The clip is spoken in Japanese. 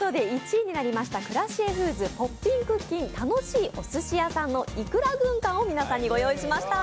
１位になりましたクラシエフーズポッピンクッキンたのしいおすしやさんのいくら軍艦を皆さんにご用意しました。